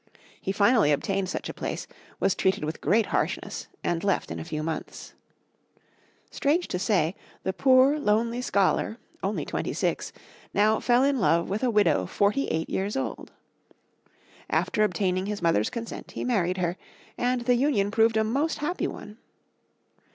He finally obtained such a place, was treated with great harshness, and left in a few months. Strange to say, the poor, lonely scholar, only twenty six, now fell in love with a widow forty eight years old. After obtaining his mother's consent, he married her, and the union proved a most happy one.